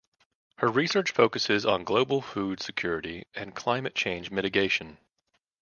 Her research focuses on global food security and climate change mitigation.